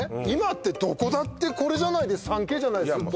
今ってどこだってこれじゃ３Ｋじゃないです？